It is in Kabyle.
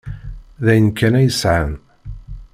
D ayen kan ay sɛan.